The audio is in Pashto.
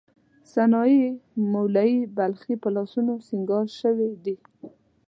سنايي، مولوی بلخي په لاسونو سینګار شوې دي.